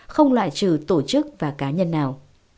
không loại trừ tổ chức và cá nhân nào